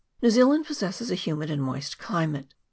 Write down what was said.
New Zealand possesses a humid and moist climate.